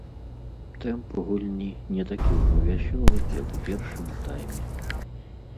Тэмп гульні не такі ўжо вясёлы, як у першым тайме.